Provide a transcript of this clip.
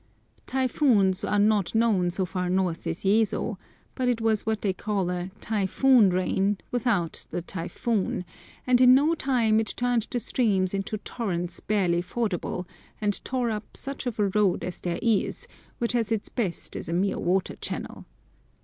Typhoons are not known so far north as Yezo, but it was what they call a "typhoon rain" without the typhoon, and in no time it turned the streams into torrents barely fordable, and tore up such of a road as there is, which at its best is a mere water channel.